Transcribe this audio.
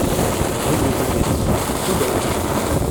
Rue de Joliet, Ploubalay